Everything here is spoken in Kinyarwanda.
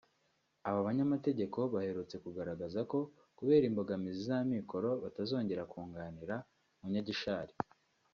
Aba banyamategeko baherutse kugaragaza ko kubera imbogamizi z’amikoro batazongera kunganira Munyagishari